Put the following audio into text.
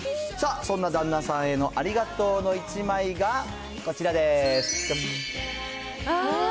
そんな旦那さんへのありがとうの１枚がこちらです。